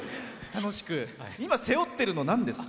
今、背負ってるのなんですか？